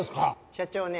社長ね